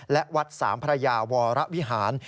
และวัดสามพระยาวรวิหาร